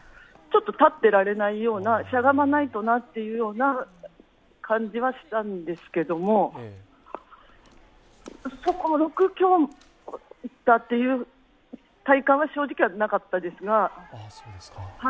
立ってられないような、しゃがまないとなっていう感じはしたんですけども、６強だという体感は正直なかったですが。